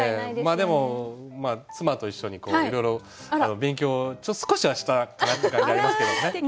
でも妻と一緒にいろいろ勉強少しはしたかなって感じありますけどもね。